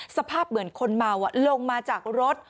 สภาพเหมือนคนเมาลงมาจากรถ